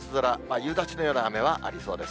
夕立のような雨はありそうです。